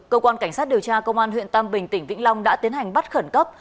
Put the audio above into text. cơ quan cảnh sát điều tra công an huyện tam bình tỉnh vĩnh long đã tiến hành bắt khẩn cấp